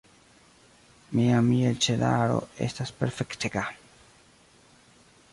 Mia mielĉelaro estas perfektega.